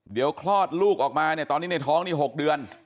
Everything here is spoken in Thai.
เดี๋ยวคลอดลูกออกมาเนี่ยตอนนี้ในท้องนี่๖เดือน